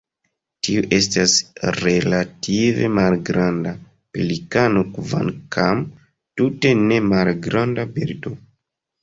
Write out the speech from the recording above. Tiu estas relative malgranda pelikano kvankam tute ne malgranda birdo.